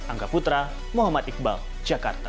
angga putra muhammad iqbal jakarta